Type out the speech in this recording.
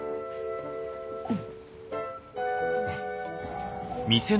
うん。